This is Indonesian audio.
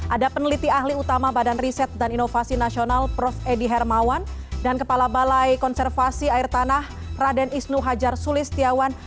ada peneliti ahli utama badan riset dan inovasi nasional prof edi hermawan dan kepala balai konservasi air tanah raden isnu hajar sulistiawan